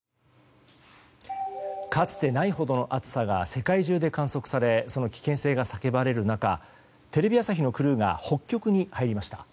かつてないほどの暑さが世界中で観測されその危険性が叫ばれる中テレビ朝日のクルーが北極に入りました。